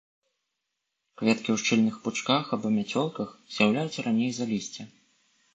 Кветкі ў шчыльных пучках або мяцёлках, з'яўляюцца раней за лісце.